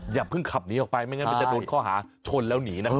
อย่าเพิ่งขับหนีออกไปไม่งั้นมันจะโดนข้อหาชนแล้วหนีนะครับ